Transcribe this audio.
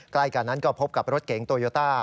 ใกล้กันนั้นก็พบกับรถเก๋งโตโยต้า